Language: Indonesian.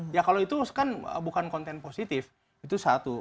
ya kalau itu kan bukan konten positif itu satu